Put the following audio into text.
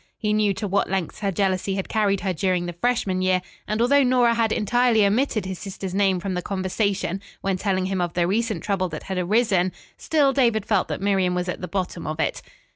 He knew to what lengths her jealousy had carried her during the freshman year, and although Nora had entirely omitted his sister's name from the conversation when telling him of the recent trouble that had arisen, still David felt that Miriam was at the bottom of it.